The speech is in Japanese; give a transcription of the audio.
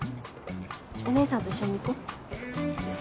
おねえさんと一緒に行こ。